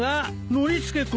ノリスケ君。